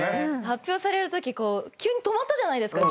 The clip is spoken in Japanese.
発表されるときこう急に止まったじゃないですか。